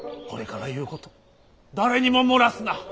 これから言うこと誰にも漏らすな。